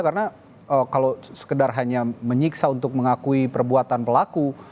karena kalau sekedar hanya menyiksa untuk mengakui perbuatan pelaku